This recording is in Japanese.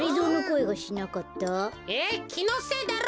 えっ？きのせいだろ。